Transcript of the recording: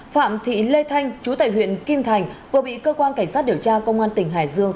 phạm thị lê thanh chú tại huyện kim thành vừa bị cơ quan cảnh sát điều tra công an tỉnh hải dương